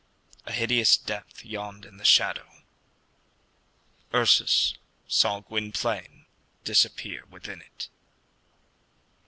A hideous depth yawned in the shadow. Ursus saw Gwynplaine disappear within it.